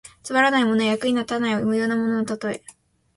つまらないものや、役に立たない無用なもののたとえ。